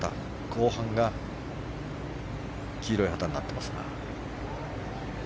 後半が黄色い旗になってます。